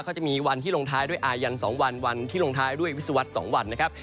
เขาจะมีวันที่ลงท้ายด้วยอายัน๒วันวันที่ลงท้ายด้วยวิศวรรษ๒วันนะครับ